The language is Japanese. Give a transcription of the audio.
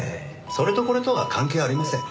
それとこれとは関係ありません。